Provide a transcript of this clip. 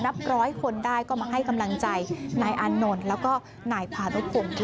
นับร้อยคนได้ก็มาให้กำลังใจหน่ายอานนท์แล้วก็หน่ายผ่านลูกคุมด้วย